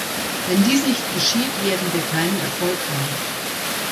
Wenn dies nicht geschieht, werden wir keinen Erfolg haben.